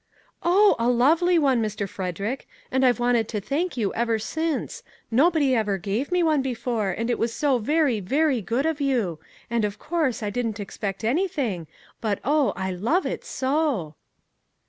" Oh ! a lovely one, Mr. Frederick ; and I've wanted to thank you ever since; nobody ever gave me one before, and it was so very, very good of you; and, of course, I didn't expect anything, but, oh, I love it so